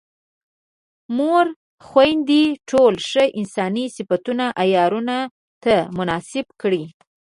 مورخینو ټول ښه انساني صفتونه عیارانو ته منسوب کړي.